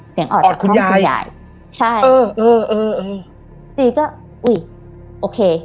เสียงออดคุณยายใช่เออเออเออเออจีก็อุ้ยโอเค